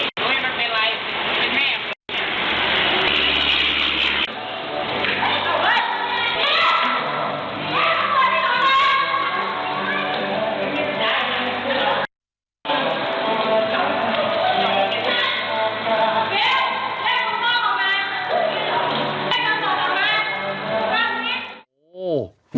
เรากำลังถอยพวกของเรามา